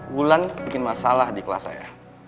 wulan bikin masalah di kelas saya